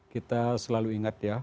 kita selalu ingat ya